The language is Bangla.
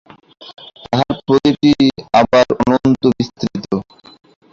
তাহার প্রত্যেকটি আবার অনন্ত বিস্তৃত।